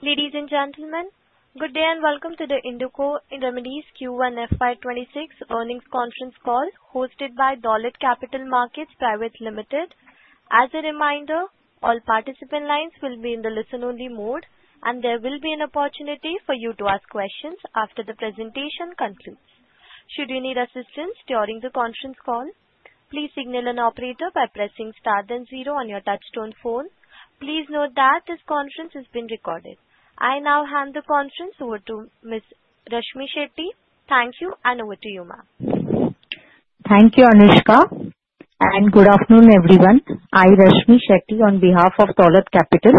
Ladies and gentlemen, good day and welcome to the Indoco Remedies Q1 FY 2026 earnings conference call hosted by Dolat Capital Markets Private Limited. As a reminder, all participant lines will be in the listen-only mode, and there will be an opportunity for you to ask questions after the presentation concludes. Should you need assistance during the conference call, please signal an operator by pressing star then zero on your touchtone phone. Please note that this conference has been recorded. I now hand the conference over to Ms. Rashmi Shetty. Thank you, and over to you, ma'am. Thank you, Anushka, and good afternoon, everyone. I'm Rashmi Shetty on behalf of Dolat Capital.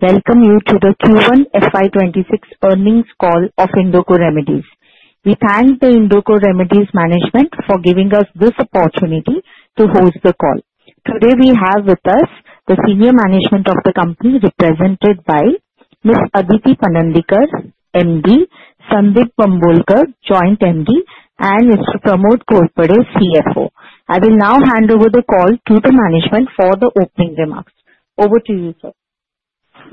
Welcome you to the Q1 FY 2026 earnings call of Indoco Remedies. We thank the Indoco Remedies management for giving us this opportunity to host the call. Today, we have with us the senior management of the company, represented by Ms. Aditi Panandikar, MD, Sundeep Bambolkar, Joint MD, and Mr. Pramod Ghorpade, CFO. I will now hand over the call to the management for the opening remarks. Over to you, sir.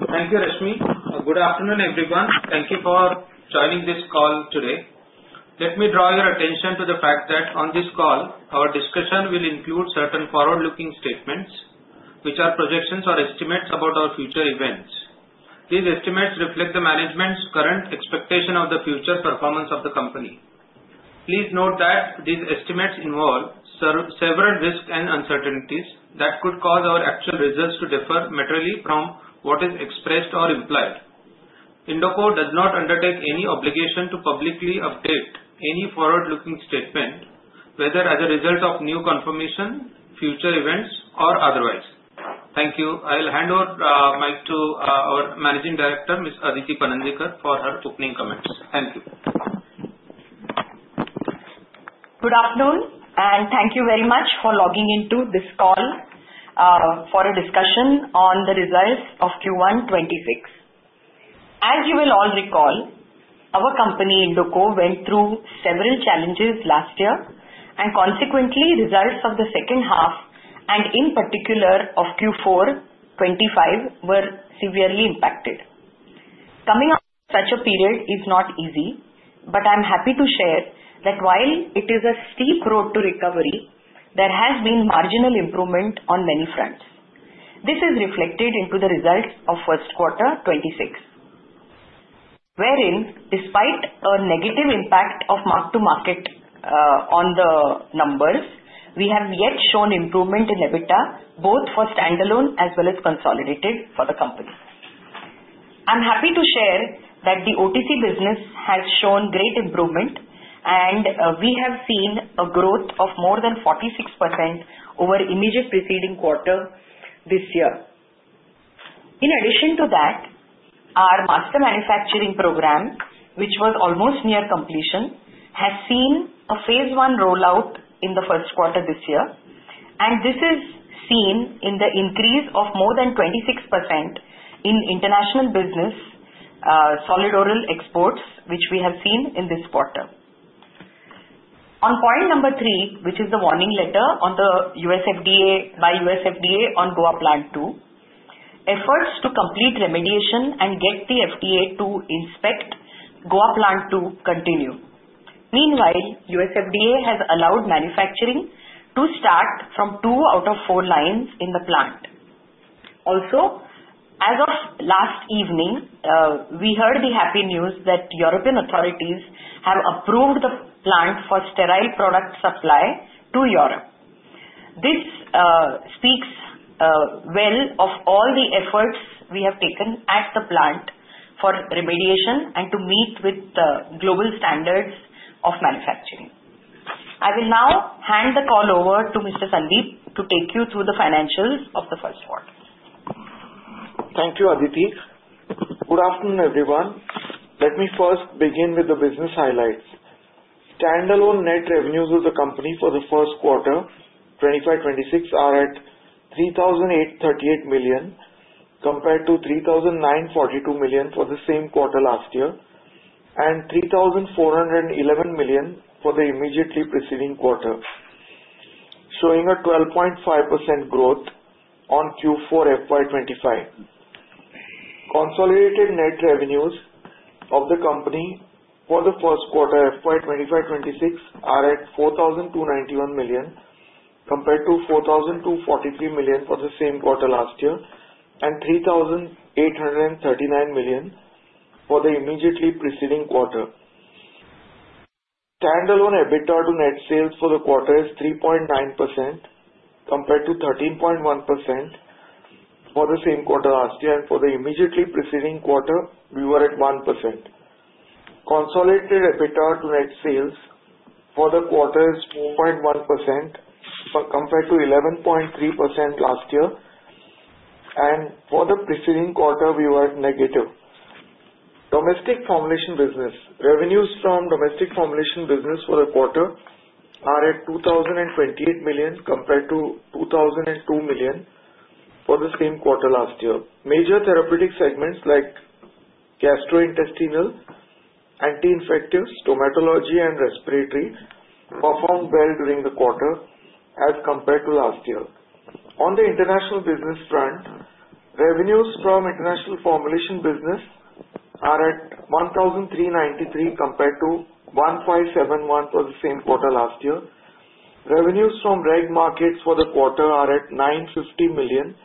Thank you, Rashmi. Good afternoon, everyone. Thank you for joining this call today. Let me draw your attention to the fact that on this call, our discussion will include certain forward-looking statements, which are projections or estimates about our future events. These estimates reflect the management's current expectation of the future performance of the company. Please note that these estimates involve several risks and uncertainties that could cause our actual results to differ materially from what is expressed or implied. Indoco does not undertake any obligation to publicly update any forward-looking statement, whether as a result of new confirmation, future events, or otherwise. Thank you. I'll hand over the mic to our Managing Director, Ms. Aditi Panandikar, for her opening comments. Thank you. Good afternoon and thank you very much for logging into this call for a discussion on the results of Q1 2026. As you will all recall, our company, Indoco, went through several challenges last year, and consequently, results of the second half, and in particular of Q4 2025, were severely impacted. Coming out of such a period is not easy, but I'm happy to share that while it is a steep road to recovery, there has been marginal improvement on many fronts. This is reflected in the results of first quarter 2026, wherein, despite a negative impact of mark-to-market on the numbers, we have yet shown improvement in EBITDA, both for standalone as well as consolidated for the company. I'm happy to share that the OTC business has shown great improvement, and we have seen a growth of more than 46% over the immediate preceding quarter this year. In addition to that, our master manufacturing program, which was almost near completion, has seen a Phase 1 rollout in the first quarter this year, and this is seen in the increase of more than 26% in international business, solid oral exports, which we have seen in this quarter. On point number three, which is the warning letter by U.S. FDA on Goa Plant II, efforts to complete remediation and get the FDA to inspect Goa Plant II continue. Meanwhile, U.S. FDA has allowed manufacturing to start from two out of four lines in the plant. Also, as of last evening, we heard the happy news that European authorities have approved the plant for sterile product supply to Europe. This speaks well of all the efforts we have taken at the plant for remediation and to meet with the global standards of manufacturing. I will now hand the call over to Mr. Sundeep to take you through the financials of the first quarter. Thank you, Aditi. Good afternoon, everyone. Let me first begin with the business highlights. Standalone net revenues of the company for the first quarter FY 2026 are at 3,838 million compared to 3,942 million for the same quarter last year and 3,411 million for the immediately preceding quarter, showing a 12.5% growth on Q4 FY 2025. Consolidated net revenues of the company for the first quarter FY 2026 are at 4,291 million compared to 4,243 million for the same quarter last year and 3,839 million for the immediately preceding quarter. Standalone EBITDA to net sales for the quarter is 3.9% compared to 13.1% for the same quarter last year, and for the immediately preceding quarter, we were at 1%. Consolidated EBITDA to net sales for the quarter is 4.1% compared to 11.3% last year, and for the preceding quarter, we were negative. Domestic formulation business revenues from domestic formulation business for the quarter are at 2,028 million compared to 2,002 million for the same quarter last year. Major therapeutic segments like Gastrointestinal, Anti-Infectives, Stomatology, and Respiratory performed well during the quarter as compared to last year. On the international business front, revenues from international formulation business are at 1,393 compared to 1,571 for the same quarter last year. Revenues from reg markets for the quarter are at 950 million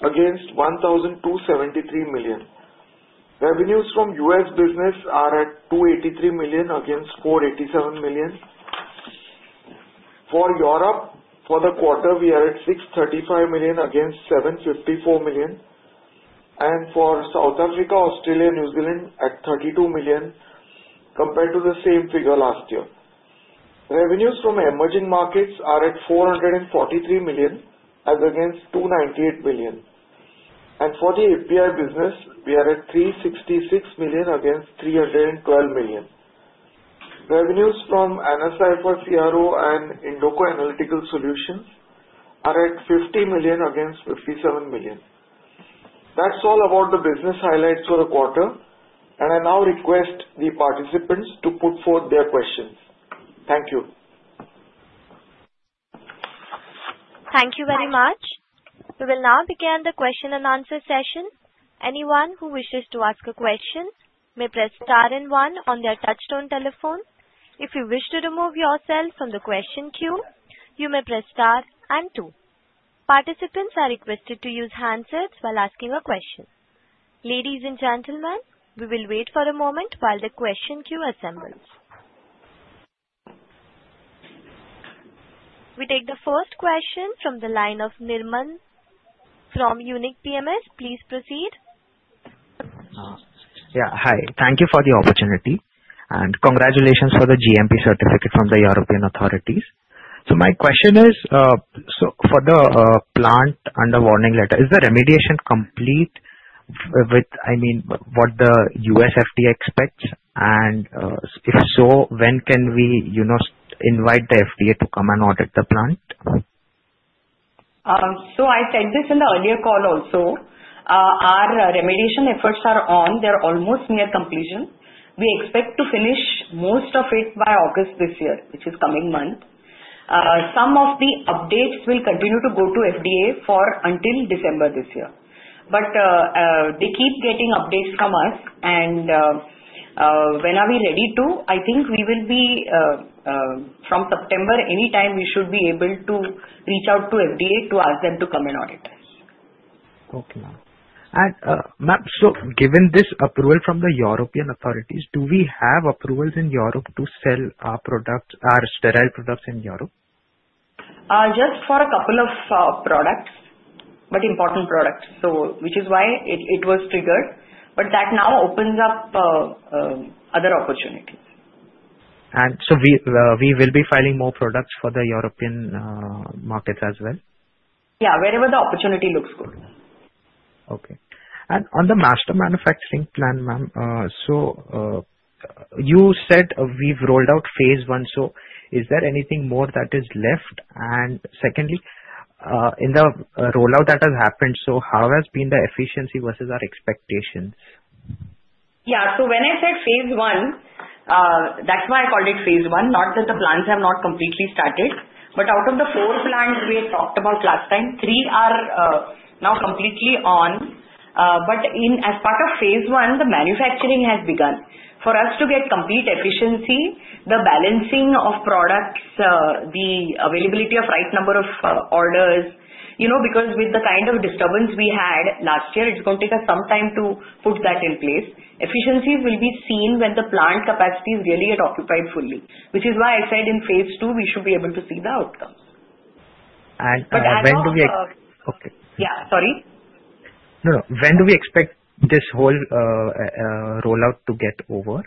against 1,273 million. Revenues from U.S. business are at 283 million against 487 million. For Europe, for the quarter, we are at 635 million against 754 million, and for South Africa, Australia, and New Zealand at 32 million compared to the same figure last year. Revenues from emerging markets are at 443 million against 298 million, and for the API business, we are at 366 million against 312 million. Revenues from AnaCipher CRO and Indoco Analytical Solutions are at 50 million against 57 million. That's all about the business highlights for the quarter, and I now request the participants to put forth their questions. Thank you. Thank you very much. We will now begin the question-and-answer session. Anyone who wishes to ask a question may press star and one on their touch-tone telephone. If you wish to remove yourself from the question queue, you may press star and two. Participants are requested to use handsets while asking a question. Ladies and gentlemen, we will wait for a moment while the question queue assembles. We take the first question from the line of Nirmam from Unique PMS. Please proceed. Yeah, hi. Thank you for the opportunity, and congratulations for the GMP certificate from the European authorities. So my question is, so for the plant and the warning letter, is the remediation complete with, I mean, what the U.S. FDA expects? And if so, when can we invite the FDA to come and audit the plant? So I said this in the earlier call also. Our remediation efforts are on. They're almost near completion. We expect to finish most of it by August this year, which is coming month. Some of the updates will continue to go to FDA until December this year. But they keep getting updates from us, and when are we ready to? I think we will be from September, anytime we should be able to reach out to FDA to ask them to come and audit us. Okay, and ma'am, so given this approval from the European authorities, do we have approvals in Europe to sell our sterile products in Europe? Just for a couple of products, but important products, which is why it was triggered. But that now opens up other opportunities. We will be filing more products for the European markets as well? Yeah, wherever the opportunity looks good. Okay. And on the master manufacturing plan, ma'am, so you said we've rolled out Phase 1. So is there anything more that is left? And secondly, in the rollout that has happened, so how has been the efficiency versus our expectations? Yeah, so when I said Phase 1, that's why I called it Phase 1, not that the plants have not completely started, but out of the four plants we had talked about last time, three are now completely on, but as part of Phase 1, the manufacturing has begun. For us to get complete efficiency, the balancing of products, the availability of the right number of orders, because with the kind of disturbance we had last year, it's going to take us some time to put that in place. Efficiencies will be seen when the plant capacity is really occupied fully, which is why I said in Phase 2, we should be able to see the outcomes. When do we expect? Yeah, sorry? No, no. When do we expect this whole rollout to get over?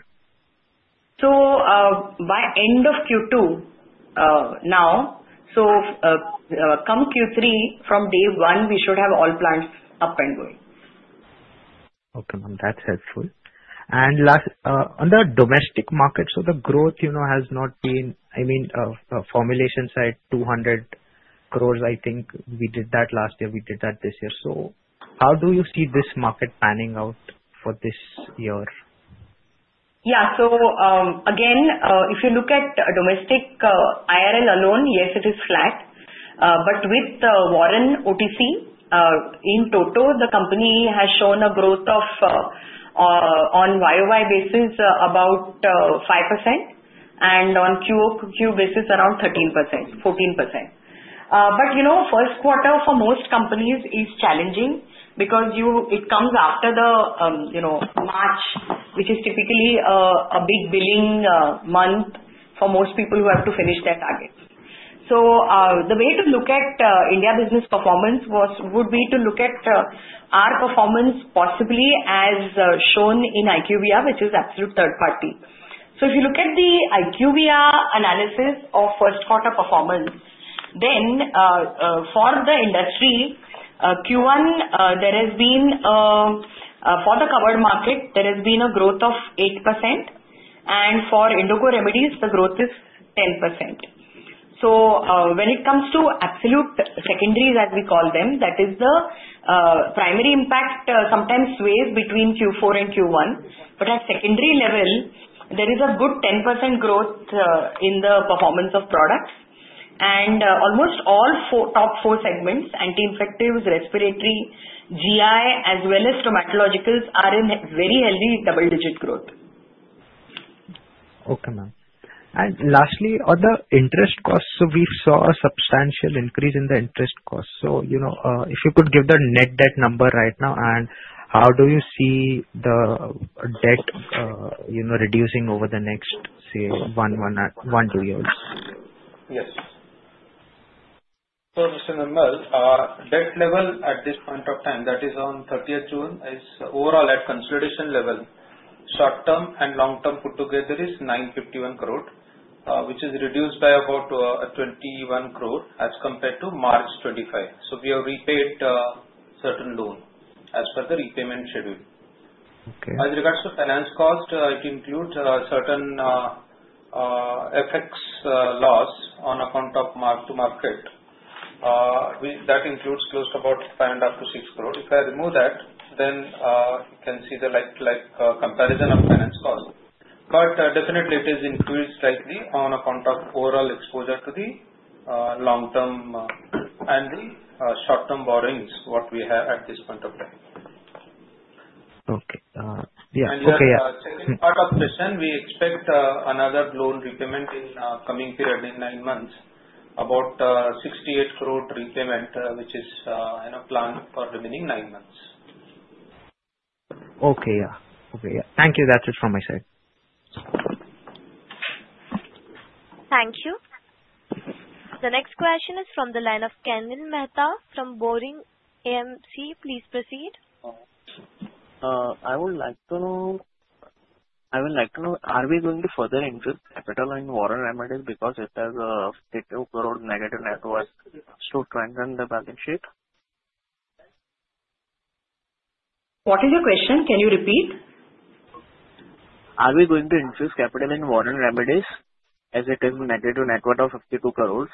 So by end of Q2 now, so come Q3, from day one, we should have all plants up and going. Okay. That's helpful. And last, on the domestic market, so the growth has not been, I mean, formulation side 200 crores, I think we did that last year. We did that this year. So how do you see this market panning out for this year? Yeah. So again, if you look at domestic IRL alone, yes, it is flat. But with the Warren OTC in toto, the company has shown a growth on YoY basis about 5% and on QoQ basis around 13%, 14%. But first quarter for most companies is challenging because it comes after the March, which is typically a big billing month for most people who have to finish their targets. So the way to look at India business performance would be to look at our performance possibly as shown in IQVIA, which is absolute third party. So if you look at the IQVIA analysis of first quarter performance, then for the industry, Q1, there has been for the covered market, there has been a growth of 8%, and for Indoco Remedies, the growth is 10%. So when it comes to absolute secondaries, as we call them, that is the primary impact sometimes sways between Q4 and Q1. But at secondary level, there is a good 10% growth in the performance of products. And almost all top four segments, Anti-infectives, Respiratory, GI, as well as Stomatological, are in very heavy double-digit growth. Okay, ma'am. And lastly, on the interest cost, so we saw a substantial increase in the interest cost. So if you could give the net debt number right now, and how do you see the debt reducing over the next, say, one to two years? Yes. So just in a note, our debt level at this point of time, that is on 30th June, is overall at consolidation level. Short term and long term put together is 951 crore, which is reduced by about 21 crore as compared to March 2025. So we have repaid certain loan as per the repayment schedule. As regards to finance cost, it includes certain FX loss on account of mark to market. That includes close to about 5 crore and up to 6 crore. If I remove that, then you can see the comparison of finance cost. But definitely, it is increased slightly on account of overall exposure to the long term and the short-term borrowings, what we have at this point of time. Okay. Yeah. Okay. The second part of the question, we expect another loan repayment in the coming period, in nine months, about 68 crore repayment, which is planned for remaining nine months. Okay. Yeah. Okay. Yeah. Thank you. That's it from my side. Thank you. The next question is from the line of Kenil Mehta from Boring AMC. Please proceed. Yes. I would like to know, are we going to further increase capital in Warren Remedies because it has a INR 52 crore negative net worth? So try and run the balance sheet. What is your question? Can you repeat? Are we going to increase capital in Warren Remedies as it has a negative net worth of 52 crores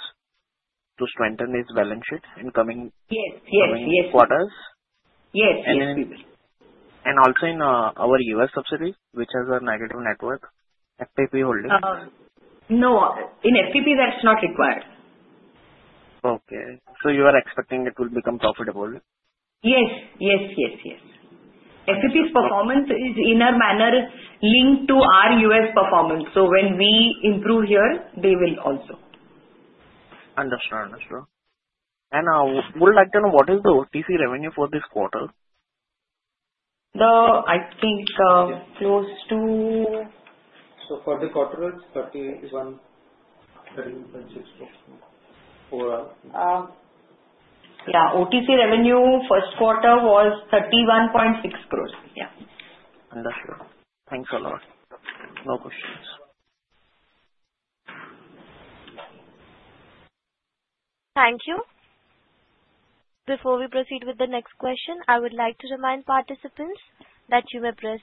to strengthen its balance sheet in coming? Yes. Yes. Yes. three quarters? Yes. Yes. Also in our U.S. subsidiaries, which has a negative net worth, FPP Holdings? No. In FPP, that's not required. Okay, so you are expecting it will become profitable? Yes. Yes. Yes. Yes. FPP's performance is in a manner linked to our U.S. performance. So when we improve here, they will also. Understood. Understood. And I would like to know, what is the OTC revenue for this quarter? I think close to. For the quarter, it's 31.6 crore, overall. Yeah. OTC revenue first quarter was 31.6 crores. Yeah. Understood. Thanks a lot. No questions. Thank you. Before we proceed with the next question, I would like to remind participants that you may press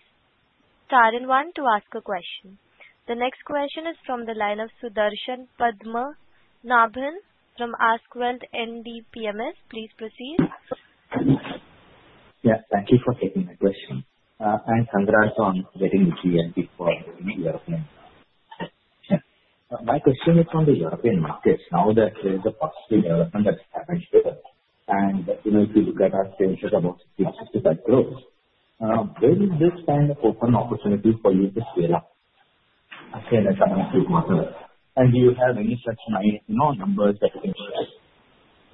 star and one to ask a question. The next question is from the line of Sudarshan Padmanabhan from ASK Wealth ND PMS. Please proceed. Yeah. Thank you for taking my question. And congrats on getting the GMP for European markets. Yeah. My question is on the European markets. Now that the positive development that's happened here, and if you look at our changes about INR 65 crores, where is this kind of open opportunity for you to scale up in the coming three quarters? And do you have any such numbers that you can share?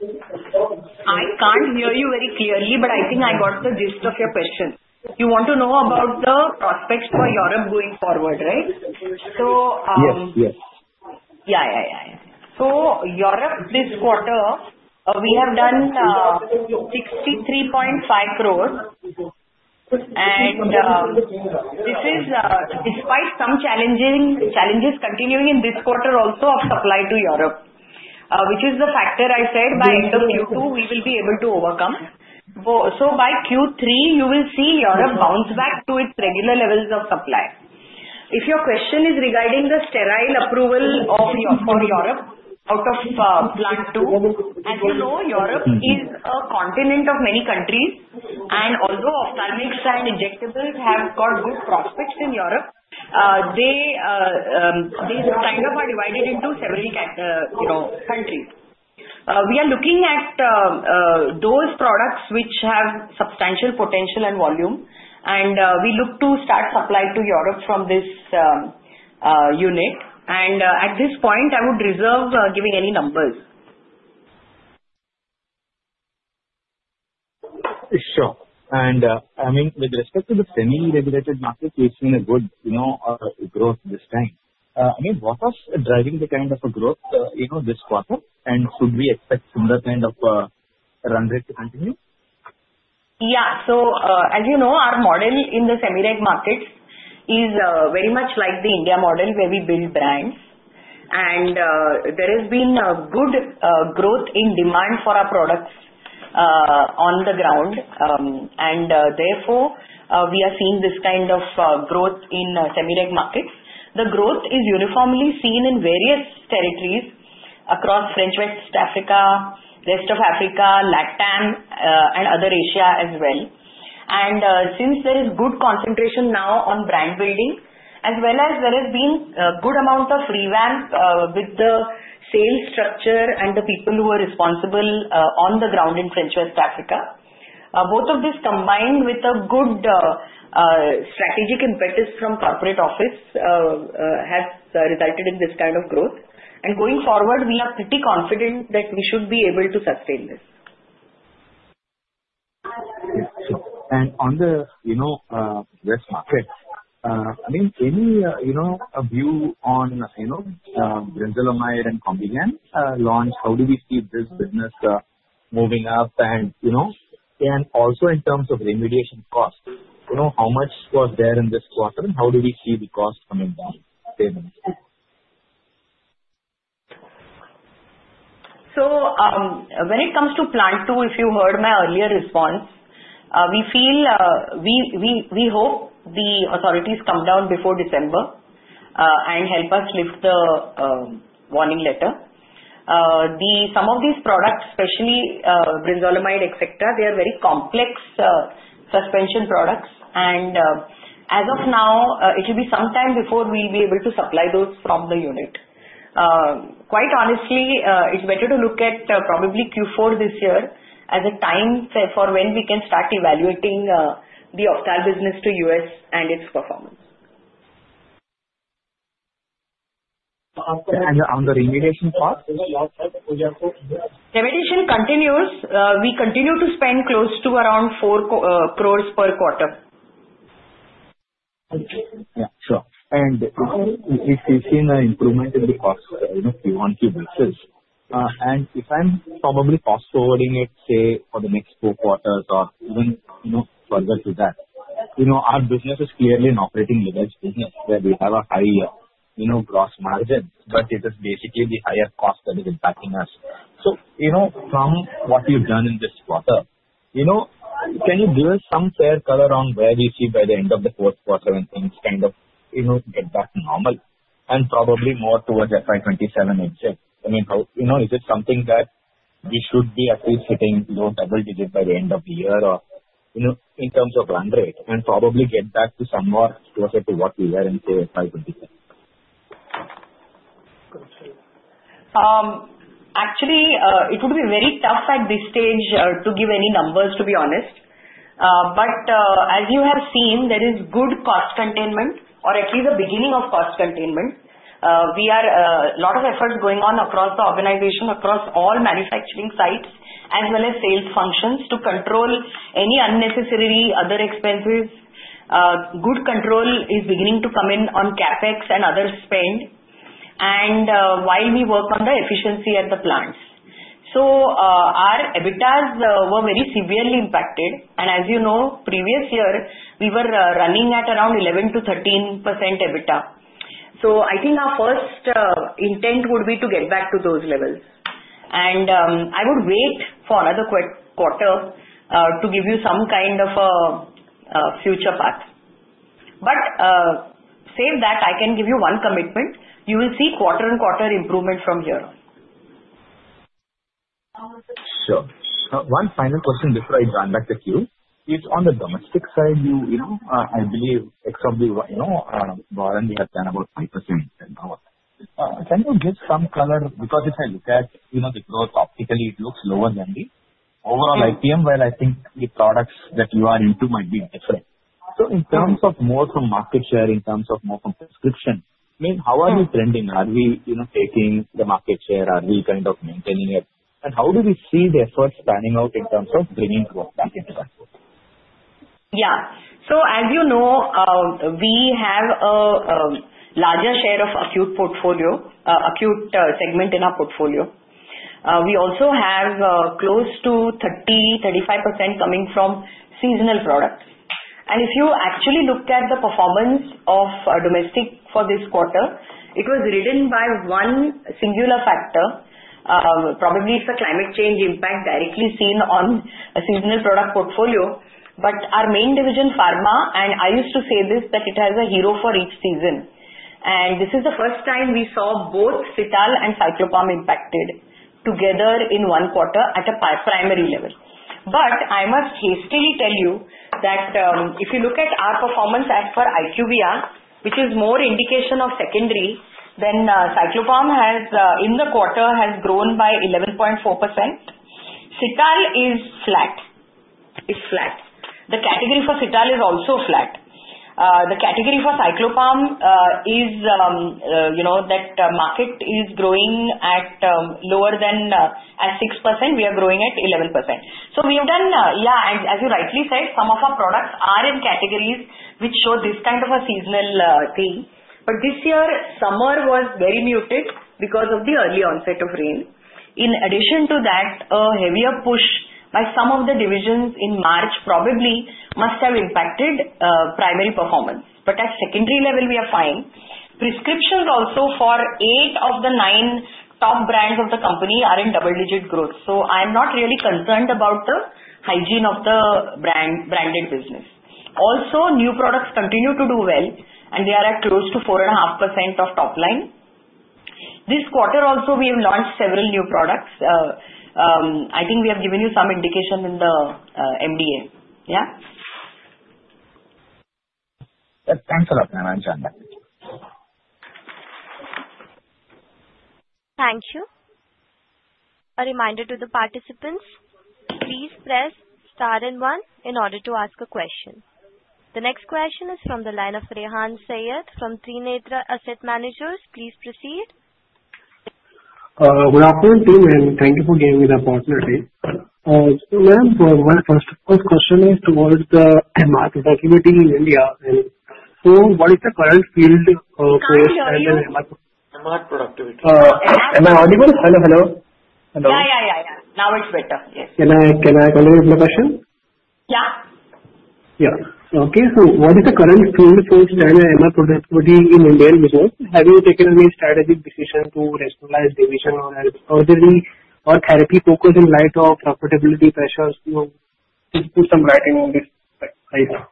I can't hear you very clearly, but I think I got the gist of your question. You want to know about the prospects for Europe going forward, right? So. Yes. Yes. Yeah. So Europe this quarter, we have done 63.5 crore. And this is despite some challenges continuing in this quarter also of supply to Europe, which is the factor I said by end of Q2 we will be able to overcome. So by Q3, you will see Europe bounce back to its regular levels of supply. If your question is regarding the sterile approval for Europe out of plant two, as you know, Europe is a continent of many countries. And although Ophthalmics and Injectables have got good prospects in Europe, they kind of are divided into several countries. We are looking at those products which have substantial potential and volume, and we look to start supply to Europe from this unit. And at this point, I would reserve giving any numbers. Sure. And I mean, with respect to the semi-regulated market, we've seen a good growth this time. I mean, what was driving the kind of growth this quarter? And should we expect similar kind of run rate to continue? Yeah, so as you know, our model in the semi-reg market is very much like the India model where we build brands, and there has been good growth in demand for our products on the ground. Therefore, we are seeing this kind of growth in semi-reg markets. The growth is uniformly seen in various territories across French West Africa, rest of Africa, LATAM, and other Asia as well. Since there is good concentration now on brand building, as well as there has been a good amount of revamp with the sales structure and the people who are responsible on the ground in French West Africa, both of these combined with a good strategic impetus from corporate office has resulted in this kind of growth. Going forward, we are pretty confident that we should be able to sustain this. And on the West market, I mean, any view on brinzolamide and Combigan launch? How do we see this business moving up? And also in terms of remediation cost, how much was there in this quarter? And how do we see the cost coming down? So when it comes to Plant 2, if you heard my earlier response, we hope the authorities come down before December and help us lift the Warning Letter. Some of these products, especially brinzolamide etc., they are very complex suspension products. And as of now, it will be some time before we'll be able to supply those from the unit. Quite honestly, it's better to look at probably Q4 this year as a time for when we can start evaluating the Ophthal business to the U.S. and its performance. On the remediation cost? Remediation continues. We continue to spend close to around 4 crores per quarter. Yeah. Sure. And if we've seen an improvement in the cost QoQ basis, and if I'm probably fast-forwarding it, say, for the next four quarters or even further than that, our business is clearly an operating leverage business where we have a high gross margin, but it is basically the higher cost that is impacting us. So from what you've done in this quarter, can you give us some fair color on where we see by the end of the fourth quarter when things kind of get back to normal and probably more towards FY 2027 exit? I mean, is it something that we should be at least hitting double digit by the end of the year in terms of run rate and probably get back to somewhere closer to what we were in FY 2026? Actually, it would be very tough at this stage to give any numbers, to be honest. But as you have seen, there is good cost containment or at least the beginning of cost containment. We have a lot of efforts going on across the organization, across all manufacturing sites, as well as sales functions to control any unnecessary other expenses. Good control is beginning to come in on CapEx and other spend while we work on the efficiency at the plants. So our EBITDA was very severely impacted. And as you know, previous year, we were running at around 11%-13% EBITDA. So I think our first intent would be to get back to those levels. And I would wait for another quarter to give you some kind of a future path. But that said, I can give you one commitment. You will see quarter-on-quarter improvement from here on. Sure. One final question before I run back to you. It's on the domestic side. I believe probably Warren we have done about 5%. Can you give some color? Because if I look at the growth optically, it looks lower than the overall IPM, while I think the products that you are into might be different, so in terms of more from market share, in terms of more from prescription, I mean, how are we trending? Are we taking the market share? Are we kind of maintaining it, and how do we see the efforts panning out in terms of bringing growth back into control? Yeah. So as you know, we have a larger share of acute segment in our portfolio. We also have close to 30%-35% coming from seasonal products. And if you actually look at the performance of domestic for this quarter, it was ridden by one singular factor. Probably it's a climate change impact directly seen on a seasonal product portfolio. But our main division, pharma, and I used to say this that it has a hero for each season. And this is the first time we saw both Cital and Cyclopam impacted together in one quarter at a primary level. But I must hastily tell you that if you look at our performance as per IQVIA, which is more indication of secondary, then Cyclopam in the quarter has grown by 11.4%. Cital is flat. It's flat. The category for Cital is also flat. The category for Cyclopam is that market is growing at lower than 6%. We are growing at 11%. So we have done, yeah, and as you rightly said, some of our products are in categories which show this kind of a seasonal thing. But this year, summer was very muted because of the early onset of rain. In addition to that, a heavier push by some of the divisions in March probably must have impacted primary performance. But at secondary level, we are fine. Prescriptions also for eight of the nine top brands of the company are in double-digit growth. So I'm not really concerned about the hygiene of the branded business. Also, new products continue to do well, and they are at close to 4.5% of top line. This quarter also, we have launched several new products. I think we have given you some indication in the MDA. Yeah. Thanks a lot, ma'am. Thank you. A reminder to the participants, please press star and one in order to ask a question. The next question is from the line of Rehan Saiyyed from Trinetra Asset Management. Please proceed. Good afternoon, team, and thank you for giving me the opportunity. Ma'am, my first question is toward the MR productivity in India, so what is the current figure for MR productivity? Am I audible? Hello. Hello. Hello. Yeah. Yeah. Yeah. Yeah. Now it's better. Yes. Can I continue with my question? Yeah. Yeah. Okay. So what is the current field force for MR productivity in Indian business? Have you taken any strategic decision to rationalize division or therapy focus in light of profitability pressures? Just throw some light on this right now.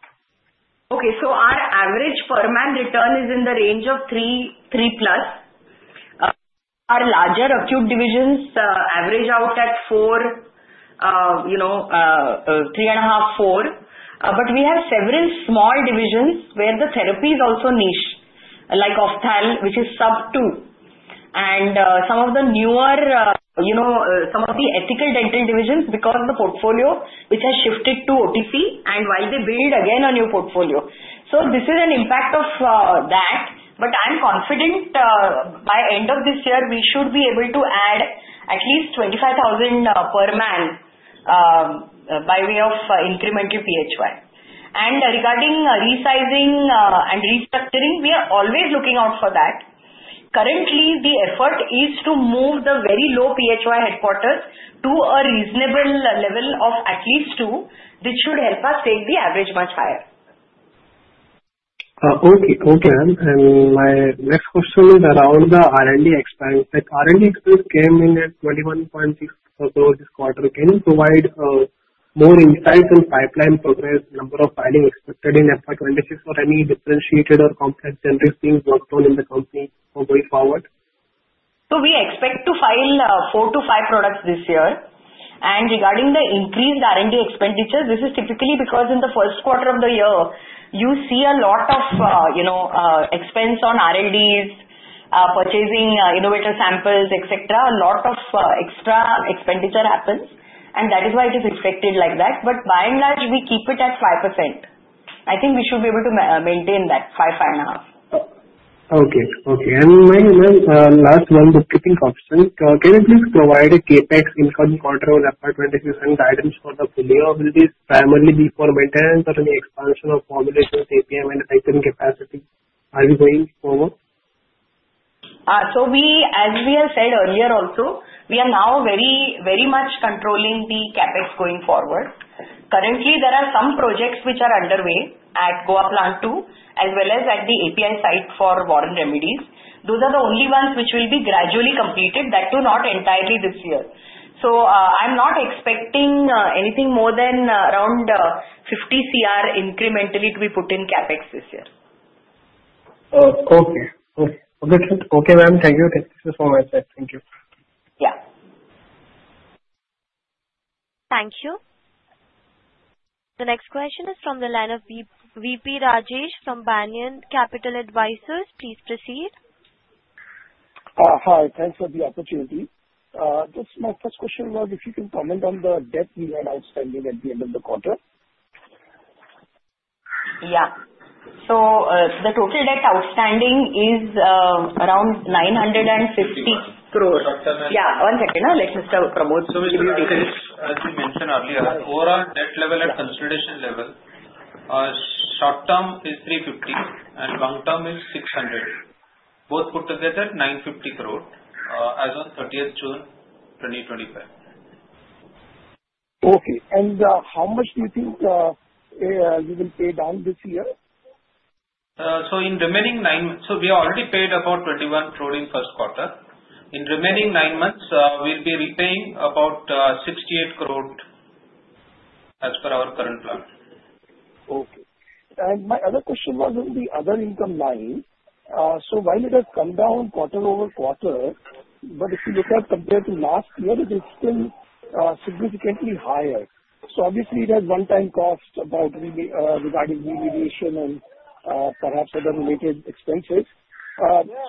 Okay, so our average per man return is in the range of 3+. Our larger acute divisions average out at 3.5-4, but we have several small divisions where the therapy is also niche, like Ophthal, which is sub 2, and some of the newer, some of the ethical dental divisions because of the portfolio, which has shifted to OTC, and while they build again a new portfolio, so this is an impact of that, but I'm confident by end of this year, we should be able to add at least 25,000 per man by way of incremental PHY, and regarding resizing and restructuring, we are always looking out for that. Currently, the effort is to move the very low PHY headcount to a reasonable level of at least 2, which should help us take the average much higher. Okay. Okay. And my next question is around the R&D expense. R&D expense came in at 21.6 crores this quarter. Can you provide more insights on pipeline progress, number of filing expected in FY 2026, or any differentiated or complex generic things worked on in the company for going forward? We expect to file four to five products this year. Regarding the increased R&D expenditures, this is typically because in the first quarter of the year, you see a lot of expense on R&Ds, purchasing innovator samples, etc. A lot of extra expenditure happens. That is why it is reflected like that. By and large, we keep it at 5%. I think we should be able to maintain that 5%-5.5%. And last one, the CapEx. Can you please provide a CapEx in Q1 of FY 2026 and guidance for the full year? Will this primarily be for maintenance or any expansion of formulation with API and effective capacity? Are we going forward? So as we have said earlier also, we are now very much controlling the CapEx going forward. Currently, there are some projects which are underway at Goa Plant II, as well as at the API site for Warren Remedies. Those are the only ones which will be gradually completed. That too not entirely this year. So I'm not expecting anything more than around 50 Cr incrementally to be put in CapEx this year. Okay. Okay. Okay, ma'am. Thank you. Thank you so much. Thank you. Yeah. Thank you. The next question is from the line of V.P. Rajesh from Banyan Capital Advisors. Please proceed. Hi. Thanks for the opportunity. Just my first question was if you can comment on the debt we had outstanding at the end of the quarter? Yeah. So the total debt outstanding is around 950 crores. So as you mentioned earlier, overall debt level and consolidation level, short term is 350 crore and long term is 600 crore. Both put together 950 crore as of 30th June 2025. Okay. How much do you think you will pay down this year? In remaining nine months, we have already paid about 21 crore in first quarter. In remaining nine months, we'll be repaying about 68 crore as per our current plan. Okay. And my other question was on the other income line. So while it has come down quarter over quarter, but if you look at, compared to last year, it is still significantly higher. So obviously, it has one-time cost regarding remediation and perhaps other related expenses.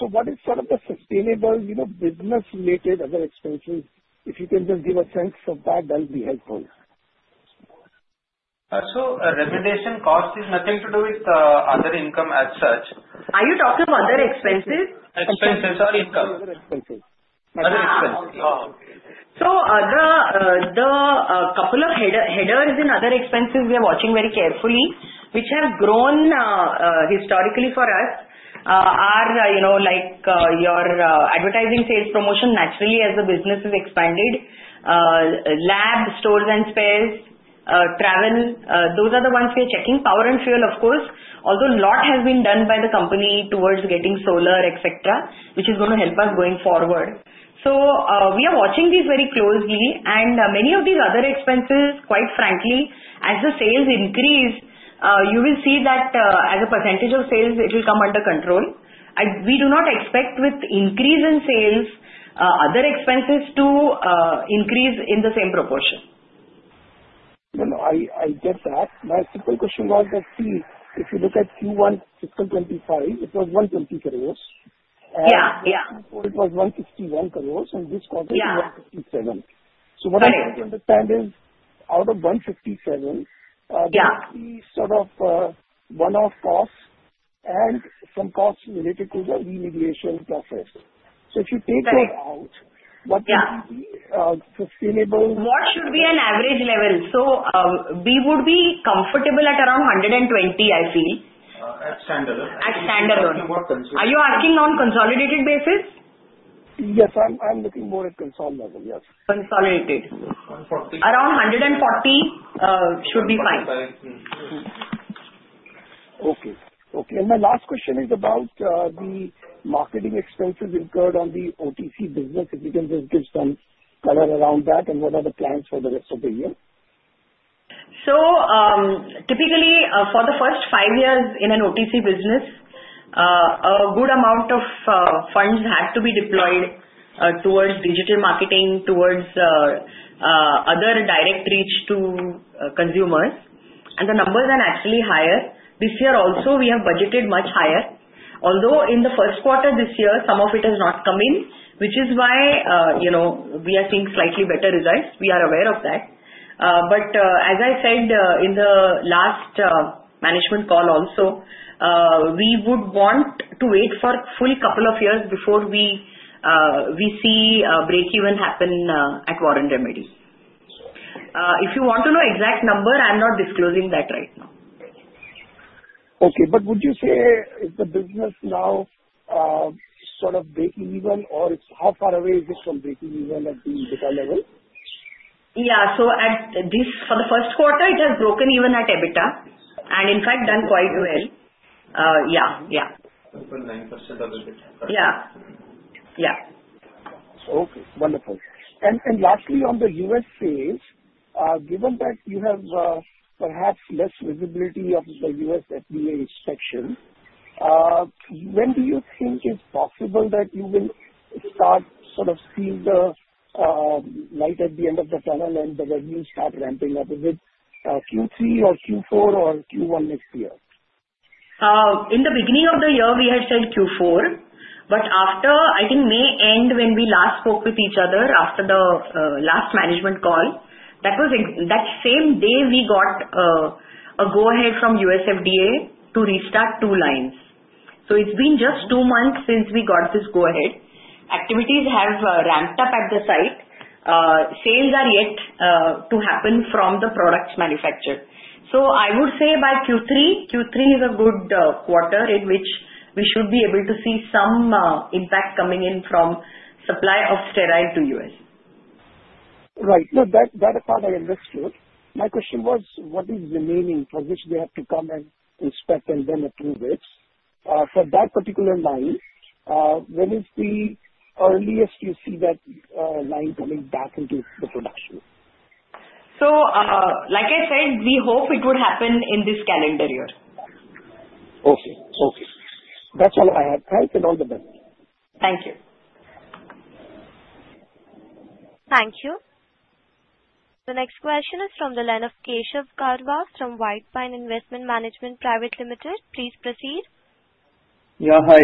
So what is sort of the sustainable business-related other expenses? If you can just give a sense of that, that would be helpful. Remediation cost is nothing to do with other income as such. Are you talking about other expenses? Expenses or income? Other expenses? So the couple of headers in other expenses we are watching very carefully, which have grown historically for us, are like your advertising sales, promotion, naturally as the business has expanded. Lab, stores and spares, travel, those are the ones we are checking. Power and fuel, of course. Although a lot has been done by the company towards getting solar, etc., which is going to help us going forward. So we are watching these very closely. And many of these other expenses, quite frankly, as the sales increase, you will see that as a percentage of sales, it will come under control. We do not expect with increase in sales, other expenses to increase in the same proportion. I get that. My simple question was that if you look at Q1 FY 2025, it was 120 crores. Yeah. Yeah. Q4, it was 161 crores in this quarter to 157 crores. What I'm trying to understand is out of 157 crores, there will be sort of one-off costs and some costs related to the remediation process. If you take those out, what would be sustainable? What should be an average level? So we would be comfortable at around 120 crore, I feel. At standalone. At standalone. Are you asking on consolidated basis? Yes. I'm looking more at console level. Yes. Consolidated. Around 140 crore should be fine. Okay. Okay. And my last question is about the marketing expenses incurred on the OTC business. If you can just give some color around that and what are the plans for the rest of the year? So typically, for the first five years in an OTC business, a good amount of funds had to be deployed towards digital marketing, towards other direct reach to consumers. And the numbers are actually higher. This year also, we have budgeted much higher. Although in the first quarter this year, some of it has not come in, which is why we are seeing slightly better results. We are aware of that. But as I said in the last management call also, we would want to wait for a full couple of years before we see a break-even happen at Warren Remedies. If you want to know exact number, I'm not disclosing that right now. Okay. But would you say is the business now sort of breaking even, or how far away is it from breaking even at the EBITDA level? Yeah. So for the first quarter, it has broken even at EBITDA and in fact, done quite well. Yeah. Yeah. Over 9% of EBITDA. Yeah. Yeah. Okay. Wonderful. And lastly, on the U.S. page, given that you have perhaps less visibility of the U.S. FDA section, when do you think it's possible that you will start sort of seeing the light at the end of the tunnel and the revenue start ramping up? Is it Q3 or Q4 or Q1 next year? In the beginning of the year, we had said Q4, but after, I think May end, when we last spoke with each other after the last management call, that same day, we got a go-ahead from U.S. FDA to restart two lines. So it's been just two months since we got this go-ahead. Activities have ramped up at the site. Sales are yet to happen from the products manufactured. So I would say by Q3, Q3 is a good quarter in which we should be able to see some impact coming in from supply of sterile to U.S. Right. So that part I understood. My question was, what is the remaining transition we have to come and inspect and then approve it? For that particular line, when is the earliest you see that line coming back into the production? Like I said, we hope it would happen in this calendar year. Okay. Okay. That's all I have. Thanks and all the best. Thank you. Thank you. The next question is from the line of Keshav Karwa from White Pine Investment Management Private Limited. Please proceed. Yeah. Hi.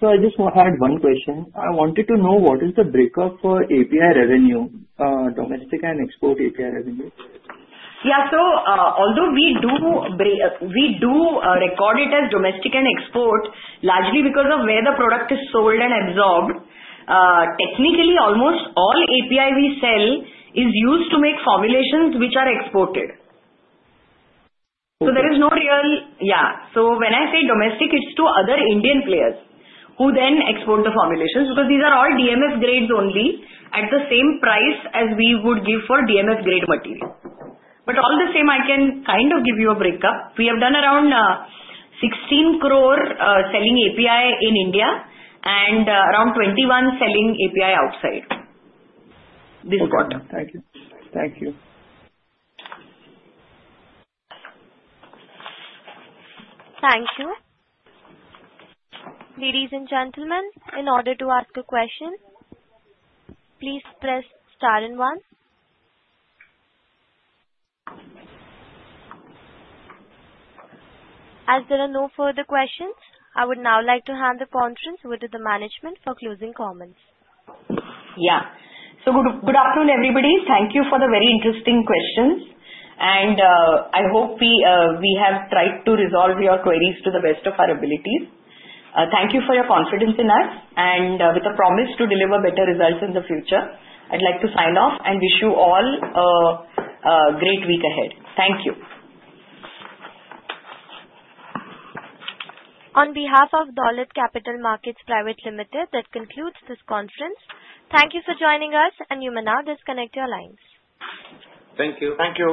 So I just had one question. I wanted to know what is the breakup for API revenue, domestic and export API revenue? Yeah. So although we do record it as domestic and export, largely because of where the product is sold and absorbed, technically, almost all API we sell is used to make formulations which are exported. So there is no real. So when I say domestic, it is to other Indian players who then export the formulations because these are all DMF grades only at the same price as we would give for DMF grade material. But all the same, I can kind of give you a break-up. We have done around 16 crore selling API in India and around 21 crore selling API outside. This quarter one. Thank you. Thank you. Thank you. Ladies and gentlemen, in order to ask a question, please press star and one. As there are no further questions, I would now like to hand the conference over to the management for closing comments. Yeah, so good afternoon, everybody. Thank you for the very interesting questions, and I hope we have tried to resolve your queries to the best of our abilities. Thank you for your confidence in us, and with a promise to deliver better results in the future, I'd like to sign off and wish you all a great week ahead. Thank you. On behalf of Dolat Capital Markets Private Limited, that concludes this conference. Thank you for joining us, and you may now disconnect your lines. Thank you. Thank you.